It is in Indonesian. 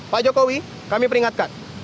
pak jokowi kami peringatkan